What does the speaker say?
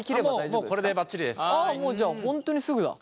もうじゃあ本当にすぐだ。